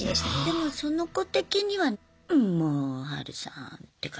でもその子的には「んもうハルさん」って感じで済んだかな？